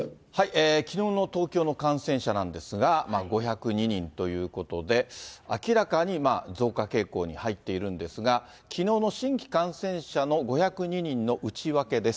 きのうの東京の感染者なんですが、５０２人ということで、明らかに増加傾向に入っているんですが、きのうの新規感染者の５０２人の内訳です。